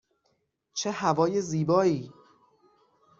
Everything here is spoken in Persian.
چه هوای زیبایی!